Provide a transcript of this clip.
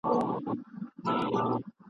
د خنجر عکس به يوسي !.